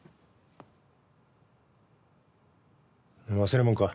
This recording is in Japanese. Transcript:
忘れ物か？